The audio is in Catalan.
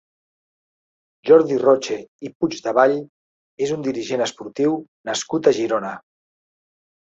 Jordi Roche i Puigdevall és un dirigent esportiu nascut a Girona.